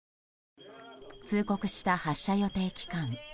通告した発射予定期間。